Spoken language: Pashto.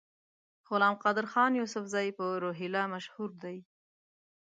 غلام قادرخان یوسفزي په روهیله مشهور دی.